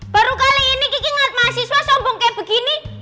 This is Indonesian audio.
baru kali ini gigi ngeliat mahasiswa sombong kayak begini